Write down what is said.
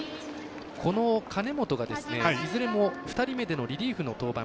この金本がいずれも２人目でのリリーフの登板。